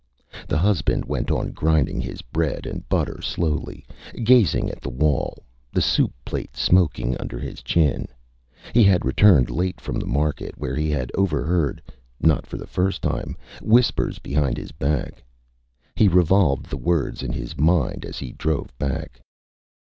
The husband went on grinding his bread and butter slowly, gazing at the wall, the soup plate smoking under his chin. He had returned late from the market, where he had overheard (not for the first time) whispers behind his back. He revolved the words in his mind as he drove back.